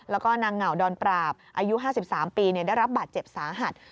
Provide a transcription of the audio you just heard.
แล้วก็นางเหงาดอนปราบอายุ๕๓ปีได้รับบาดเจ็บสาหัส